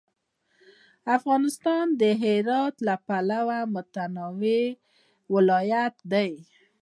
افغانستان د هرات له پلوه متنوع ولایت دی.